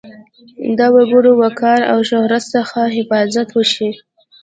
د وګړو وقار او شهرت څخه حفاظت وشي.